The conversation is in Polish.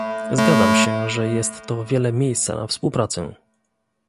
Zgadzam się, że jest to wiele miejsca na współpracę